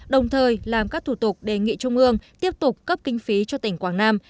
đồng thời làm các thủ tục đề nghị trung ương tiếp tục cấp kinh phí cho tỉnh quảng nam